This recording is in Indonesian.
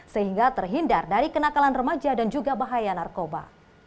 sehingga terhindar dari kenakalan remaja dan juga bahaya narkoba